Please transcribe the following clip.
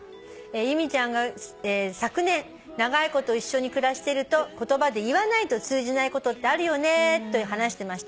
「由美ちゃんが昨年長いこと一緒に暮らしてると言葉で言わないと通じないことってあるよねと話してました」